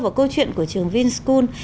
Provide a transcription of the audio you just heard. vào câu chuyện của trường finschool